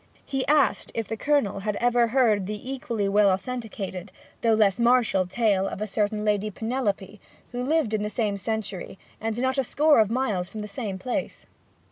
He asked if the Colonel had ever heard the equally well authenticated, though less martial tale of a certain Lady Penelope, who lived in the same century, and not a score of miles from the same place?